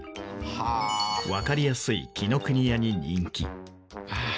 わかりやすい紀伊國屋に人気。